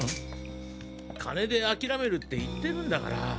金で諦めるって言ってるんだから。